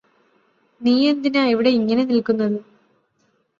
നീയെന്തിനാ ഇവിടെ ഇങ്ങനെ നില്ക്കുന്നത്